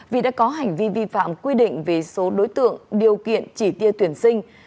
vì đã có hành vi vi phạm quy định về số đối tượng điều kiện chỉ tiêu tuyển sinh